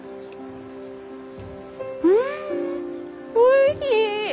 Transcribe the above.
うんおいしい！